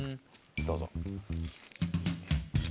どうぞ。